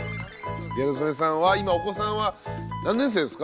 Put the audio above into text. ギャル曽根さんは今お子さんは何年生ですか？